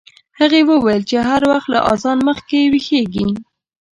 هغې وویل چې هر وخت له اذان مخکې ویښیږي.